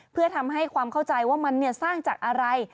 เพื่อทำให้ความเข้าใจว่ามันสร้างจากอะไร